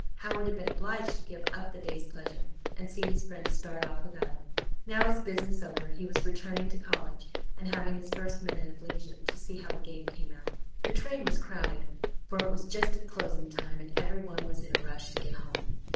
Howard had been obliged to give up the day's pleasure and see his friends start off without him. Now, his business over, he was returning to college and having his first minute of leisure to see how the game came out. The train was crowded, for it was just at closing time and every one was in a rush to get home.